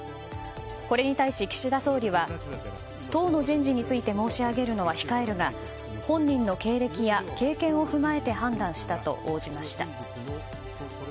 これに対し、岸田総理は党の人事について申し上げるのは控えるが本人の経歴や経験を踏まえて判断したと応じました。